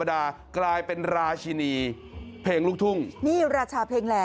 มีนักร้องลูกทุ่งดังมากมายเนี่ยผ่านการปลูกปั้นมาจากพ่อวัยพจน์เพชรสุพรณนะฮะ